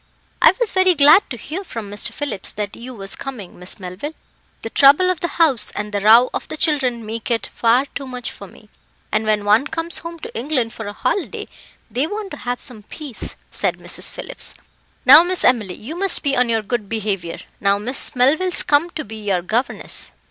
"I was very glad to hear from Mr. Phillips, that you was coming, Miss Melville; the trouble of the house and the row of the children make it far too much for me, and when one comes home to England for a holiday, they want to have some peace,' said Mrs. Phillips. 'Now, Miss Emily, you must be on your good behaviour, now Miss Melville's come to be your governess."